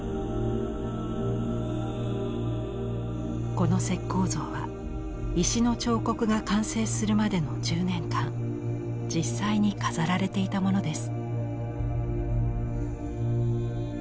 この石こう像は石の彫刻が完成するまでの１０年間実際に飾られていたものです。